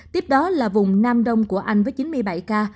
tiếp đó là vùng nam đông của anh với chín mươi bảy ca